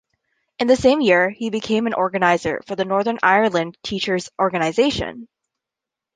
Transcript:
In the same year, he became an organiser for the Northern Ireland Teachers' Organisation.